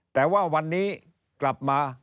แต่ว่าวันนี้กลับมา